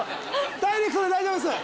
ダイレクトで大丈夫です。